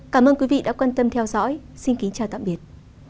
cảm ơn quý vị đã quan tâm theo dõi xin kính chào tạm biệt